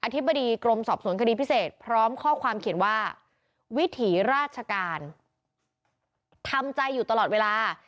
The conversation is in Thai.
ธิบดีกรมสอบสวนคดีพิเศษพร้อมข้อความเขียนว่าวิถีราชการทำใจอยู่ตลอดเวลา